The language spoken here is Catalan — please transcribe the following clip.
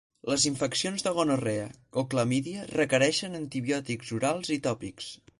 Les infeccions de gonorrea o clamídia requereixen antibiòtics orals i tòpics.